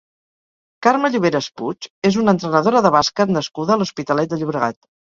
Carme Lluveras Puig és una entrenadora de bàsquet nascuda a l'Hospitalet de Llobregat.